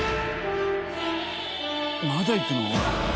まだ行くの？